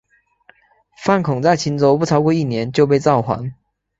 范讽在青州不超过一年就被召还。